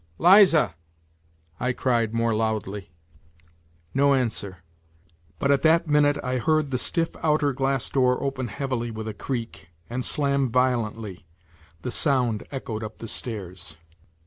" Liza 1 " I cried, more loudly. No answer. But at that minute I heard the stiff outer glass door open heavily with a creak and slam violently, the sound echoed up the stairs.